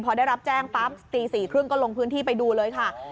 พอได้รับแจ้งปั๊บตี๔๓๐ก็ลงพื้นที่ไปดูเลยค่ะ